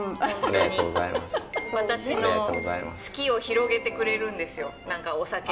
本当に私の好きを広げてくれるんですよ。